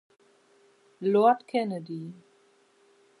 Lord Kennedy.